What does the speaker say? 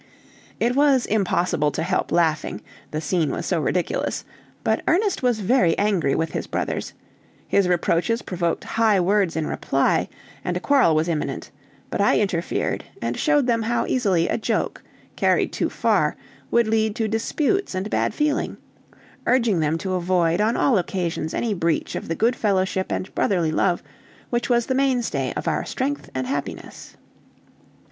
It was impossible to help laughing, the scene was so ridiculous, but Ernest was very angry with his brothers, his reproaches provoked high words in reply, and a quarrel was imminent, but I interfered, and showed them how easily a joke, carried too far, would lead to disputes and bad feeling, urging them to avoid on all occasions any breach of the good fellowship and brotherly love which was the mainstay of our strength and happiness.